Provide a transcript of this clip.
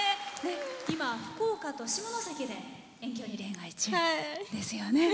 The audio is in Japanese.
今、福岡と下関で遠距離恋愛中ですよね。